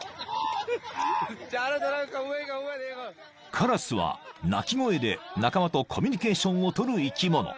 ［カラスは鳴き声で仲間とコミュニケーションを取る生き物］